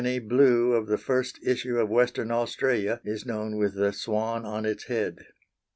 blue, of the first issue of Western Australia is known with the Swan on its head.